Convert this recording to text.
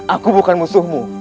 aku bukan musuhmu